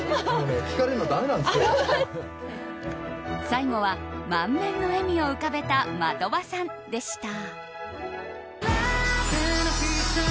最後は、満面の笑みを浮かべた的場さんでした！